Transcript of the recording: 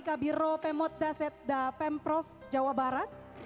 kabiro pemot dasetda pemprov jawa barat